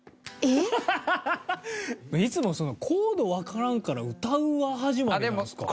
いつも「コードわからんから歌うわ」始まりなんですか？